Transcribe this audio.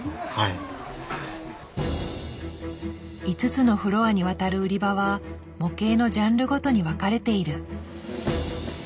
５つのフロアにわたる売り場は模型のジャンルごとに分かれている。